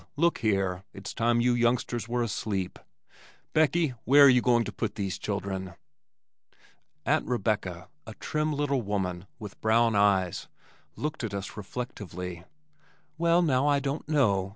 Look here, it's time you youngsters were asleep. Beckie, where are you going to put these children?" Aunt Rebecca, a trim little woman with brown eyes, looked at us reflectively, "Well, now, I don't know.